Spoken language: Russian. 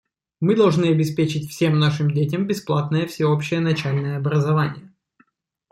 Мы должны обеспечить всем нашим детям бесплатное всеобщее начальное образование.